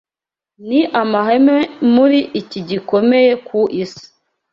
Ni amahame muri iki gikomeye ku isi